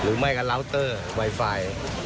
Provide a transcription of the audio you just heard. หรือไอเลือสการจับสงสัย